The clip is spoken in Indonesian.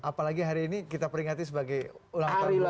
apalagi hari ini kita peringati sebagai ulang tahun